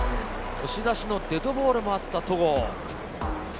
押し出しのデッドボールもあった戸郷。